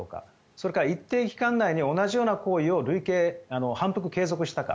それから一定期間内に同じような行為を反復・継続したか。